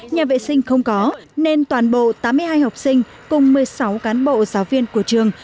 nhà vệ sinh không có nên toàn bộ tám mươi hai học sinh cùng một mươi sáu cán bộ giáo viên của trường